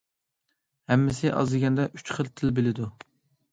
ھەممىسى ئاز دېگەندە ئۈچ خىل تىل بىلىدۇ.